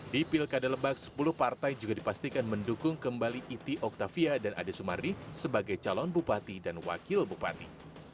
di pilkada lebak sepuluh partai juga dipastikan mendukung kembali iti oktavia dan ade sumardi sebagai calon bupati dan wakil bupati